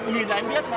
nhìn ra em biết